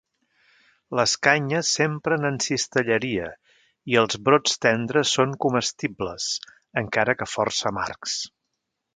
Les canyes s'empren en cistelleria, i els brots tendres són comestibles, encara que força amargs.